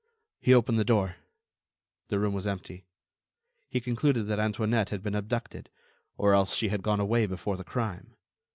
He opened the door; the room was empty. He concluded that Antoinette had been abducted, or else she had gone away before the crime.